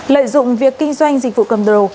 lợi dụng việc kinh doanh dịch vụ cầm đầu